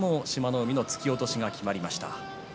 海の突き落としが、きまりました。